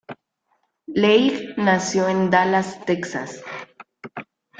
Leigh nació en Dallas, Texas.